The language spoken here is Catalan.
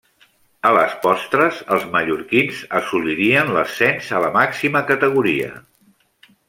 A les postres, els mallorquins assolirien l'ascens a la màxima categoria.